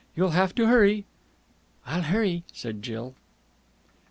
"You'll have to hurry." "I'll hurry!" said Jill.